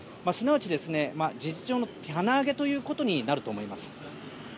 すなわち事実上の棚上げということになると思います。